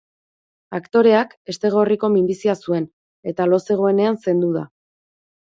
Aktoreak hestegorriko minbizia zuen eta lo zegoenean zendu da.